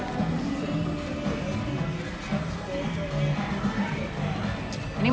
saya akan mencoba